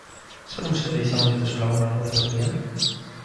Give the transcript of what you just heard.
Zer musikari izango dituzu lagun agertokian?